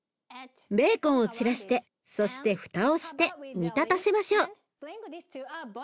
ベーコンを散らしてそして蓋をして煮立たせましょう。